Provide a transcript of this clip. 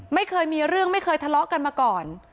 ไม่เคยมีเรื่องไม่เคยทะเลาะกันมาก่อน